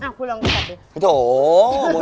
อ้าวคุณลองกินกันดิ